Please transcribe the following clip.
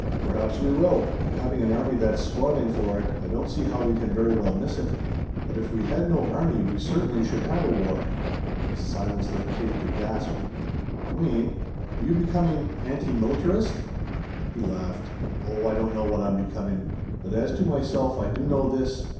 "Perhaps we will. Having an army that's spoiling for it, I don't see how we can very well miss it." "But if we had no army we certainly should have a war." His silence led Katie to gasp: "Wayne, are you becoming anti militarist?" He laughed. "Oh, I don't know what I'm becoming. But as to myself I do know this.